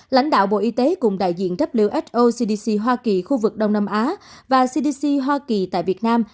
lãnh đạo bộ y tế cùng đại diện wo cdc hoa kỳ khu vực đông nam á và cdc hoa kỳ tại việt nam